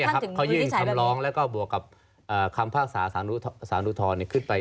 ก็ค่อยื่นคำร้องและบวกกับคำภาคศาสตร์ศาลอุทธรณ์ขึ้นไป